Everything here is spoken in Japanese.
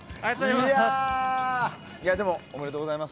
おめでとうございます。